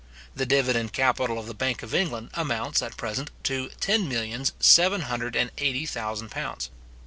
The divided capital of the Bank of England amounts, at present, to ten millions seven hundred and eighty thousand pounds.